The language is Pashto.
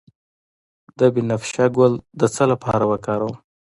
د بنفشه ګل د څه لپاره وکاروم؟